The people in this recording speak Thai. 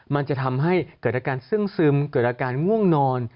มันจะทำให้เกิดอาการเสื่องซึมเกิดอาการง่วงนอน